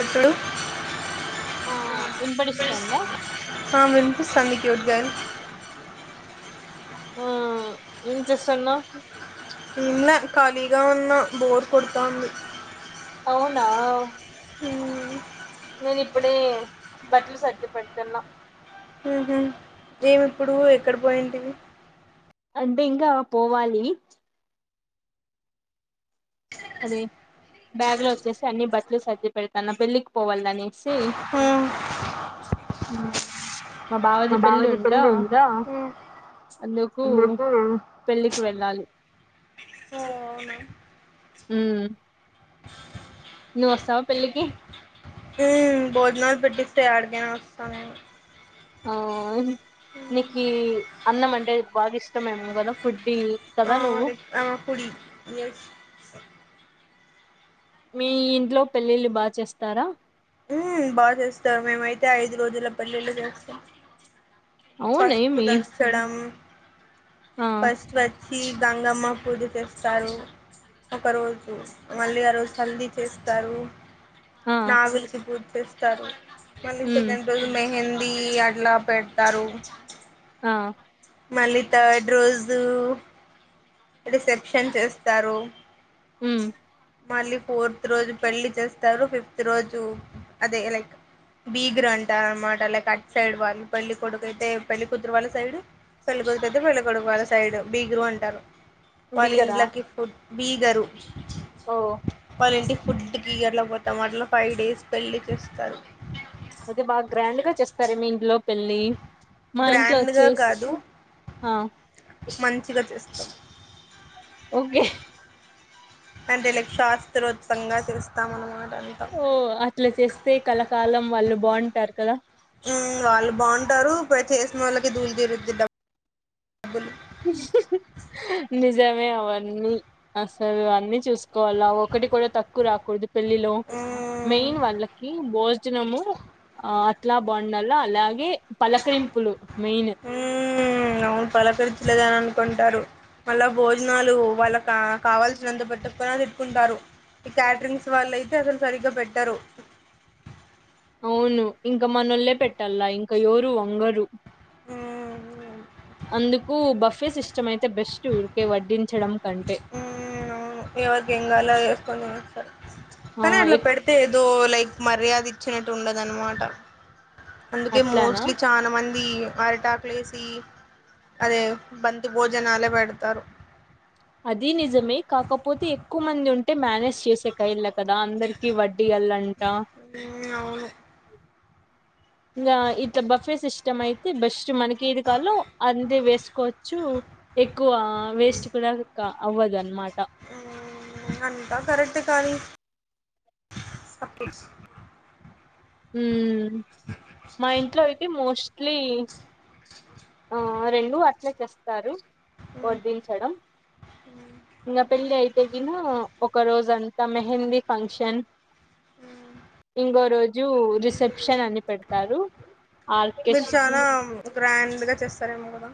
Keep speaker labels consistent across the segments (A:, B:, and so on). A: అతడు
B: ఆ వినబడిస్తుందా
A: ఆ వినిపిస్తుంది క్యూట్ గర్ల్
B: ఆ ఇంచ సన్నా
A: నిన్న కలిగా ఉన్న బోర్ కొడుతా ఉంది
B: అవునా
A: ఈ
B: నేను ఇప్పుడే బట్టలు సర్ది పెడుతున్నా
A: హ ఏమి ఇప్పుడు ఎక్కడ పోయింటి
B: అంటే ఇంకా పోవాలి అదే బ్యాగ్ లో వచ్చేసి అన్ని బట్టలు సర్ది పెడుతున్న పెళ్ళికి పోవాలని సే
A: మ్మ్
B: అ
A: మా బావది పెళ్ళి ఉందా అందుకు
B: పెళ్ళికి వెళ్ళాలి హు
A: [inaudible] భోజనాలు పెట్టిస్తుంది వస్తే ఆడకేనా వస్తామేము
B: ఆ నీకు అన్నం అంటే బాగా ఇష్టమేమో కదా ఫుడ్డి
A: ఆ
B: కదా నువ్వు
A: స
B: మీ ఇంట్లో పెళ్ళిళ్ళు బా చేస్తారా
A: ఉ బాగా చేస్తారు మేమైతే ఐదు రోజుల పెళ్లిళ్లు చేస్తాం పసుపు
B: అవునేమి
A: దచడం
B: ఆ
A: ఫస్ట్ వచ్చి గంగమ్మ పూజ చేస్త వస్తారు ఒకరోజు మళ్ళీ ఆ రోజు హల్దీ చేస్తారు
B: ఆ
A: నావెల్కి బూస్ సరే
B: ఉమ్
A: మనిషదజు మెహెంద ది అట్లా పెడతారు
B: ఆ
A: మళ్లీ థర్డ్ రోజు రీసెప్ రిసెప్షన్ చేస్తారు
B: ఉమ్
A: మళ్ళీ ఫోర్త్ రోజు పెళ్లి చేస్తారు ఫిఫ్త్ రోజు అదే లైక్ బీగరు అంటా అన్నమాటల కట్ సైడ్ వాళ్ళ పెళ్లి కొడుకుయితే పెళ్ళ కుతురు వాళ్ళ సైడ్ పెళ్ళకొడుకు అతే పెళ్ళకొడుకు వాళ్ళ సైడ్ బీగరు అంటారు వాళ్ళ
B: బిగరా
A: ఇంలకి ఫుడ్ బీగరు
B: ఓ
A: వాళ్ళ ఇంటికి ఫుడ్ బీగర్ర్లో పోతాం అట్లో ఫైవ్ డేస్ పెళ్లి చేసుకో సర్లే
B: అదే బాగా గ్రాండ్ గా చేస్తార మీ ఇంట్లో పెళ్ళి మా ఇంట్లో
A: గ్రాండ్ గా
B: వచ్చే
A: కాదు మంచిగా చేస్తాం
B: గే
A: అంటే లైక్ శాస్త్రోత్సంగా చేస్తాం అన్నమాట అంతా
B: ఓ అట్లా చేస్తే కళకాలం వాళ్ళు బాగుంటారు కదా
A: వాళ్ళు బాగుంటారు చేసిన వాళ్ళకి తీరుద్దిద్ద
B: ని నిజమే అవన్నీ అసలువన్నీ చూసు కోవాల ఒకటి కూడా తక్కువ రాకూడదు పెళ్లిలో
A: మ్మ్
B: మెయిన్ వాళ్ళకి భోజ వచ్చినము ఆ అట్లా బాగుండాల అలాగే పలకరింపులు మెయిన్
A: పలకరితులగాని అనుకుంటారు మళ్ళా భోజనాలు వాళ్ళ కా కావాల్సినంత పెట్టటుకుని తిట్టుకుంటారు ఈ క్యాటరింగ్స్ వాళ్ళు అయితే అసలు సరిగ్గా పెట్టరు స
B: అవును ఇంకా మనలే పెట్టాల ఇంకా యో అంగరు
A: మ్మ్
B: అందుకు బఫే సిస్టమ్ అయితే బెస్ట్ ఊరికే వడ్డించ చేయడం
A: ఎవరికి ఏం కావాలో వేసుకుంటారు
B: ఆ
A: కానీ అట్లా
B: ఎక్
A: పెడితే ఏదో లైక్ మర్యాద ఇచ్చినట్టు ఉండదు అదనమాట అందుకే
B: అట్లానా
A: మోస్ట్లీ చాలా మంది అరిటాకులు వేసి అదే బంతి భోజనాలే పెడతారు
B: అది నిజమే కాకపోతే ఎక్కువ మంది ఉంటే మేనేజ్ చేసే కయల కదా అందరికి వడ్డీ అల్ళంట
A: ఉమ్, అవును
B: ఇంకా ఇట్లా బఫే సిస్టమ్ అయితే బస్ట్ మనకి ఏది కాలో అంతే వేసుకోవచ్చు ఎక్కువ వేస్ట్ కూడా అవ్వదన్నమాట
A: అంత కరెట్ కానీ సప్ప
B: ఉ మా ఇంట్లో అయితే మోస్ట్ ప్లీజ్ ఆ రెండు అట్లే చేస్తారు
A: ఉమ్,
B: వడ్డించడం ఇంకా పెళ్లిఅయితే కిన ఒక రోజ అంతా మెహందీ ఫంక్షన్ ఇంకో రోజు రిసెప్షన్ అని పెడతారు. ఆర్కెస్ట్రా
A: డ్ గా చేస్తారేమో గాదా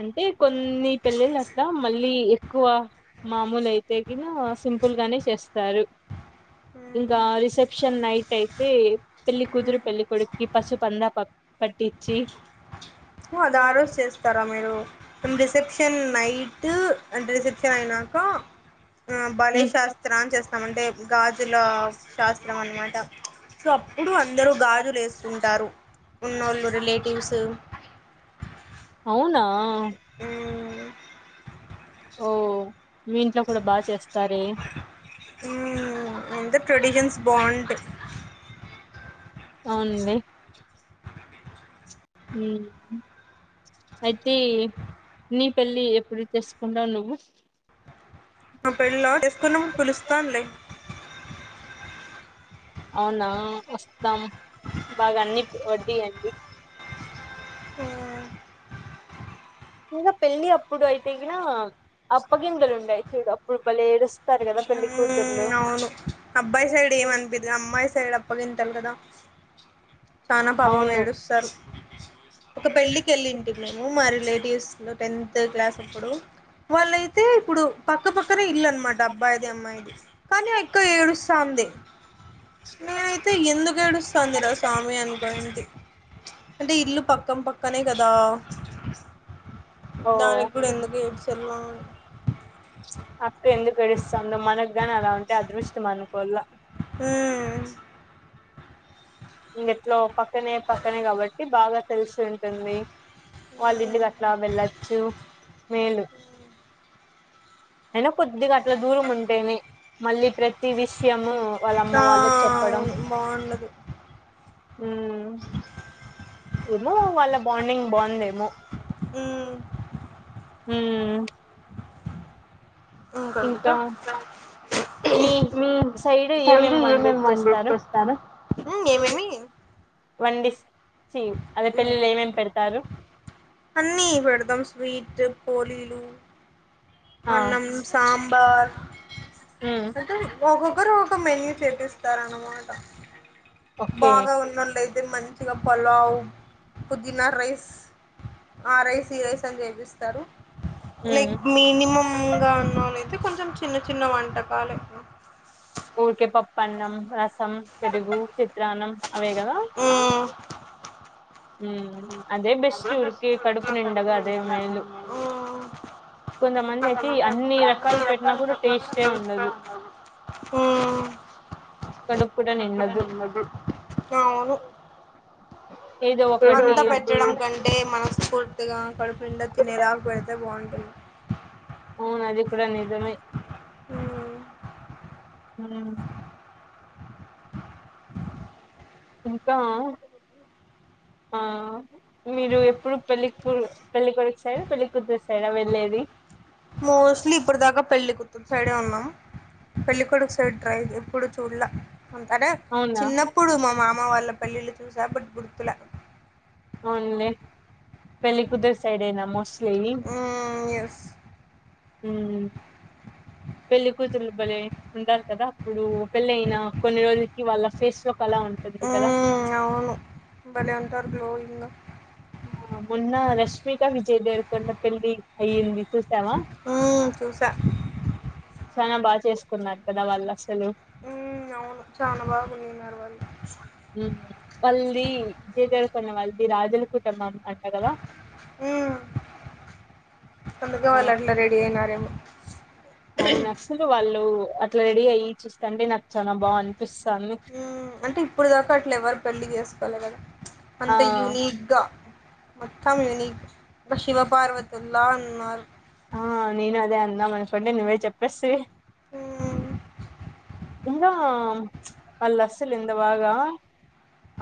B: అంటే కొన్ని పెళ్ళిళ్ళు అట్లా మళ్ళీ ఏక్ క్కువ మామూలు అయితే ఇలా సింపుల్ గానే చేస్త స్తరు ఇంకా
A: ఉమ్,
B: రిసెప్షన్ నైట్ అయితే పెళ్లి కుతురు పెళ్ళికోడుక్కి పసు పంద ప పట్టి చ్చి
A: అది ఆ రోజు చేస్తారా మీరు రిసెప్షన్ నైట్ అంట రిసెప్షన్ అయినాక ఆ బలే శాస్త్ర అని చేస్తాం. అంటే గాజుల శాస్త్ర స్త్రం. అన్నమాట సో అప్పుడు అందరు గాజులు ఏసుకుంటారు. ఉన్నోళ్ళు రిలేటివ్స్
B: అవునా ఓ మీ ఇంట్లో కూడా బాగా చేస్తారే
A: హ్ అంత ట్రెడిషన్స్ బాగుంటాయి. వో
B: అవునండి. అయితే నీ పెళ్లి ఎప్పుడు చెస్సుకుంటావు నువ్వు
A: నా పెళ్ళ చేసుకున్నాప్పుడు పీలుస్తా లే
B: అవునా కం బాగా అన్ని వడ్డీయండి.
A: ఆ
B: ఇంగా పెళ్ళి అప్పుడు అయితే గిన అప్పగింతలు ఉంటయి. చూద్దాం అప్పుడు బలే ఏడు
A: ఉ అవును అబ్బాయి సైడ్ ఏం అనిపియాది అమ్మాయి సైడ్ అప్పగింత తలు గాదా చానా పాపం
B: అవును
A: ఏడుస్తారు. ఒక పెళ్ళికి ఏళ్ళింటి మేము మా రిలేటివ్స్ వులో టెన్త్ క్లాస్ అప్పుడు వాళ్ళైతే ఇప్పుడు పక్కపక్కనే ఇల్లు అన్ మాట అబ్బాయిది అమ్మాయిది కానీ ఆక్క ఏడుస్తంది. నేనైతే ఎందుకు ఏడుస్తంది రా స్వామి అనుకోంటి అంటే ఇల్లు పక్కన పక్కనే గాదా
B: ఓ
A: దానికి కూడా ఎందుకు ఏడ్చల్ల
B: అక్క ఎందు గడిస్తా మనకు గాని అలా ఉంటే అదృష్టం అనుకోల్
A: ఉ
B: ఇ ఎట్లొ పక్కనే పక్కనే కాబట్టి బాగా స్ ఉంటుంది వాళ్ళ ఇంటికట్లా వెళ్ళచ్చు మేలు అయినా కొద్దిగా అట్లా దూరం ఉంటేనే మళ్ళీ ప్రతి విషయము వాళ్ళ అమ్మ
A: ఆ
B: వాళ్ళకి చెప్పడం
A: అవును బాగుండదు
B: ఉ ఏమో వాళ్ళ బాండింగ్ బాగుందేమో
A: ఉమ్ ఇకక
B: ఇంకా
A: మీ
B: సైడ్
A: కల్
B: వండి
A: ఏమేమి
B: చేస్తారు
A: మనిప్పొస్తారా ఏమేమి
B: వండిస్
A: అన్నీ పెడదాం స్వీట్ పోలీలు
B: ఆ
A: అన్నం సాంబార్
B: ఉమ్
A: అంటే ఒక్కొక్కరు ఒక్కో మెన్యూ చేపిస్తారు అన్నమాట ట
B: ఓకే
A: బాగా ఉన్నోళ్లయితే మంచిగా పలావ్ పుదీనా రైస్ ఆ రైస్ ఈ రైస్ అని జేపిస్తారు లైక్
B: ఉమ్
A: మినీ ంగా ఉన్నాళ్ళు అయితే కొంచెం చిన్న చిన్న వంటకాలు
B: ఊరికే పప్పన్నం రసం పెరుగు చిత్రాన్నం అవే గదా
A: ఆ
B: ఊరికే నిండగా అదే మేలు
A: కడుపు నిండల్ల
B: కొంతమంది అయితే అన్ని రకాలు పెట్టినా
A: అది
B: కూడా టేస్టే ఉండదు
A: ఏం లేదు
B: కడుపు కూడా నిండదు
A: [unintelligible] అవును
B: ఏదో ఒక
A: అంత పెట్టడం కంటే మనస్ఫూర్తి ర్తిగా కడుపు నిండా తినే దాకా పెడితే బాగుంటుంది
B: అవును అది కూడా నిజమే
A: ఉ
B: ఉ ఇంకా ఆ ఆ మీరు ఎప్పుడు పెళ్ళికూ పెళ్ళికొడుకి సైడ్ ఆ పెళ్ళికూతురు సైడ్ ఆ వెళ్ళేది
A: మోస్ట్లీ ఇప్పుడు దాకా పెళ్లి కూతురు సైడే ఉన్నాం పెళ్ళికొడుకు సైడ్ ట్రై ఎప్పుడు చూడల అంతేనేే
B: అవునా
A: చిన్నప్పుడు మా మామ వాళ్ళ పెళ్ళిళ్లు చూసా బట్ గుర్తుల
B: అవునులే పెళ్లి కూతురు సైడ్ ఏనా మోస్ట్లీ
A: ఎస్
B: మ్ పెళ్లి కూతురులు బలే ఉంటారు కదా అప్పుడు పెళ్ళయిన కొన్ని రోజులకి వాళ్ళ ఫేస్ లో కల ఉంటుంది కదా
A: అవును భలే ఉంటారు గ్లోయింగ్గా
B: మొన్న రష్మికా విజయ్ దేవరకొండా పెళ్లి అయింది
A: హా చూసా
B: చాలా బాగా చేసుకున్నారు కదా వాళ్ళు అసలు
A: ఉ అవును చానా బాగున్నున్నారు వాళ్ళు
B: వాళ్ళది విజయదేవరకొండ వాళ్ళది రాజులు కు టు [unintelligible] అంట కదా
A: అందుకో వాల్ అట్లా రెడీ అయినారేమో.
B: అవున అస్సలు వాళ్ళు. అట్లా రెడీ అయ్యి చూస్తండి నాకు. చాలా బాగా అనిపిస్తాంది
A: అంటే ఇప్పుడు దాకా అట్లా ఎవరు పెళ్లి చేసు చల్లబడు.
B: ఆ
A: అంత యునీగ్గా. మొత్తం ని శివపార్వతుల్ల ఉన్నారు.
B: బస్సు ఏ
A: మ్
B: ఉందా వాళ్ళు అసలుందా వాగా.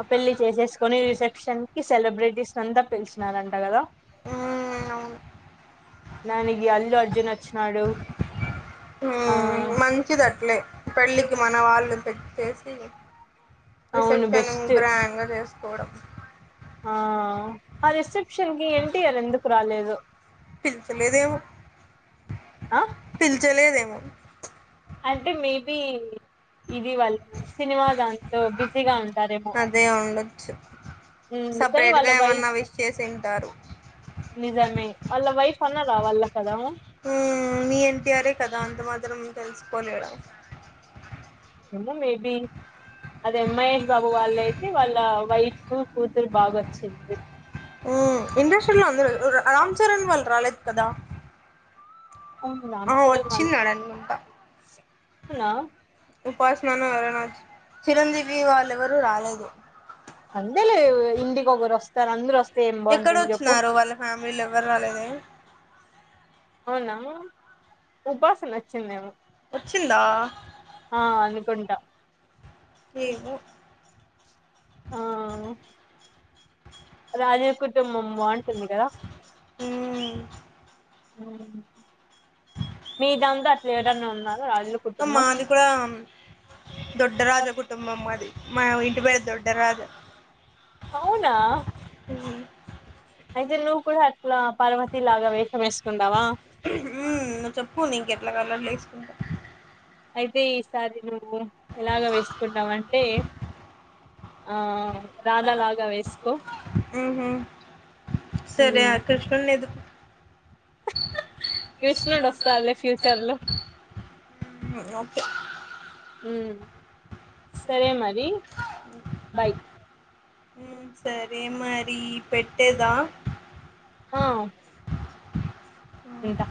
B: ఆ పెళ్లి చేసేసుకొని రిసెప్షన్ కి. సెలబ్రిటీస్ అంత పిలిచినారంట కదా.
A: ఆ అవును.
B: దానికి అల్లు అర్జున్ వచ్చినాడు ఆ
A: మంచిది అట్లే, పెళ్ళికి మన వాళ్ళు తెచ్చేసి [unintelligible]
B: అవును
A: రిసెప్షన్
B: బెస్ట్
A: గ్రాండ్గా చేస్త కోడం.
B: ఆ ఆ రెసెప్షన్ కి ఎ టీయరూ ఎందుకు రాలేదు.
A: పిలిచలేదేమో.
B: ఆ
A: పిలిచలేదేమో
B: అంటే మేబి. ఇది వాళ్ల సినిమా దాంతో బిజీగా ఉంటారేమో
A: చె [unintelligible]
B: ఉమ్, కానీ
A: సపరేట్ గా
B: వాళ్ళ
A: ఏమన్నా
B: వైఫ్
A: విష్ చేసింటారు.
B: నిజమే వాళ్ళ వైఫ్ అన్నారా వాళ్ళ కదా
A: మీ ఎన్టీఆరే కదా అంత మాత్రం ఆమాత్రం తెలుసుకోలేడా.
B: ఏమో మేబి. అదే మహేష్ బాబు వాళ్ళ అయితే వాళ్ళ వైఫ్ కూతురు బాగోచ్చింది.
A: మ్మ్ ఇండస్ట్రీలో అందరూ రామ్ చరణ్ వాళ్ళు రాలేదు కదా.
B: అవును రామ్
A: ఆ వచ్చిఉన్నాడు అనుకుంట
B: రామ్
A: ఉపాసనాన ఎవరైనా చిరంజీవి వాళ్ళ ఎవరు రాలేదు.
B: అంతేలే ఇంటికి ఒకరు వస్తారు అందరు వస్తే ఏం
A: ఎక్కడ
B: బాగుంటుంది చెప్పు
A: వచ్చిన్నారు. వాళ్ళ ఫ్యామిలీలు ఎవరు రాలేదే.
B: అవునా ఉపాసన వచ్చిందేమో.
A: వచ్చిందా
B: ఆ అనుకుంటా.
A: ఏమో
B: ఆ అ రాజ కుటుంబం ఉందా
A: అ [unintelligible]
B: ఉ [unintelligible] మీ దంతో అట్లా ఎవరన్నా ఉన్నార రాజుల
A: ఉమ్
B: కుటుంబం
A: మాది కూడా దొడ్డరాజ కుటుంబం మాది మా ఇంటి పేరు దొడ్డ రాజు
B: అవునా అయితే నువ్వు కూడా అట్లా పార్వతి లాగా వేశం వేసుకుంటావా
A: అట్లా కలర్ వేసుకుంటా
B: అయితే ఈసారి నువ్వు ఎలాగ వేసుకుంటావ అంటే ఆ [unintelligible] లాగా వేసుకో
A: సరే
B: ఉమ్
A: కృష్ణని ఎదుకు
B: కృష్ణుడు
A: ఎష్టస్త
B: వస్తాడులే
A: ఫచర్
B: ఫ్యూచర్ లో
A: లో [unintelligible] అప్పుే [unintelligible]
B: ఉం సరే మరి బాయ్
A: సరే మరి అది పెట్టేదా
B: ఆ
A: [unintelligible]
B: ఉంటా